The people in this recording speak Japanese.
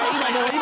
今。